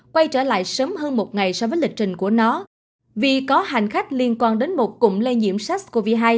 quay trở lại sớm hơn một ngày so với lịch trình của nó vì có hành khách liên quan đến một cụm lây nhiễm sars cov hai